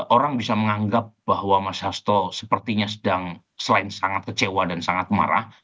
orang bisa menganggap bahwa mas hasto sepertinya sedang selain sangat kecewa dan sangat marah